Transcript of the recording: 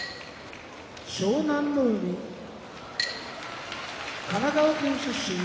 湘南乃海神奈川県出身